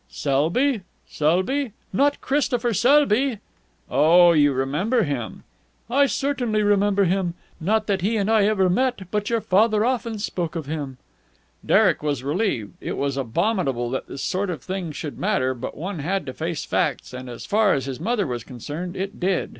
"Selby? Selby? Not Christopher Selby?" "Oh, you remember him?" "I certainly remember him! Not that he and I ever met, but your father often spoke of him." Derek was relieved. It was abominable that this sort of thing should matter, but one had to face facts, and, as far as his mother was concerned, it did.